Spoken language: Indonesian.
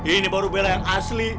ini baru bela yang asli